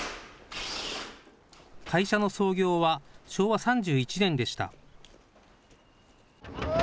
会社の創業は昭和３１年でした。